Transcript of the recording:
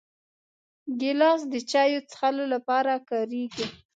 ګیلاس د چایو د څښلو لپاره کارېږي.